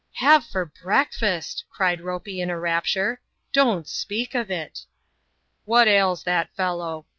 BEave for breakfast !" cried Ropey, in a rapture. " Don't speak of it I" " What ails that fellow